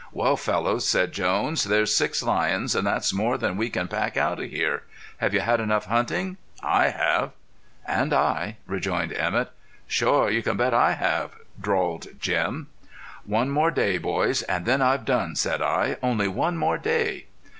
"Well, fellows," said Jones, "there's six lions, and that's more than we can pack out of here. Have you had enough hunting? I have." "And I," rejoined Emett. "Shore you can bet I have," drawled Jim. "One more day, boys, and then I've done," said I. "Only one more day!"